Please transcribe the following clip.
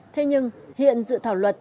thế nhưng hiện dự thảo luật